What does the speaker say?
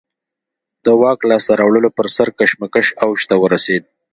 د واک لاسته راوړلو پر سر کشمکش اوج ته ورسېد